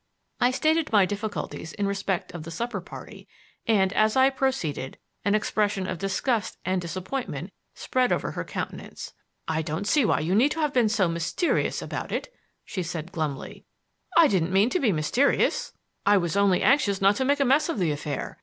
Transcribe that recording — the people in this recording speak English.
I stated my difficulties in respect of the supper party, and, as I proceeded, an expression of disgust and disappointment spread over her countenance. "I don't see why you need have been so mysterious about it," she said glumly. "I didn't mean to be mysterious; I was only anxious not to make a mess of the affair.